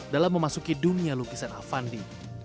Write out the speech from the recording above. dalam memasuki dunia lukisan avandi